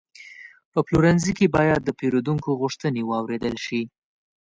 په پلورنځي کې باید د پیرودونکو غوښتنې واورېدل شي.